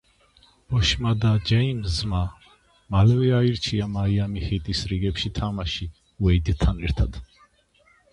ბოშმა და ჯეიმზმა მალევე აირჩია მაიამი ჰიტის რიგებში თამაში უეიდთან ერთად.